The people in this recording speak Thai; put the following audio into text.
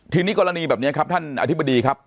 ทีนี้กรณีแบบนี้ครับท่านอธิบดีครับ